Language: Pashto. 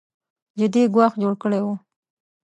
جدي ګواښ جوړ کړی و